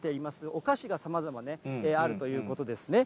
お菓子がさまざまね、あるということですね。